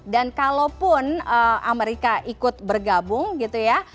dan kalaupun amerika ikut bergabung gitu ya